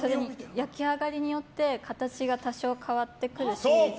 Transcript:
焼き上がりによって形が多少変わってくるし